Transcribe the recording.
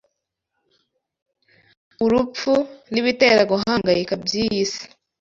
urupfu, n’ibitera guhangayika by’iyi si